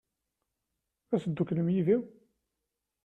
Ad tedduklem yid-i?